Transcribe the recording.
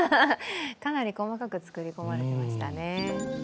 かなり細かく作り込まれていましたね。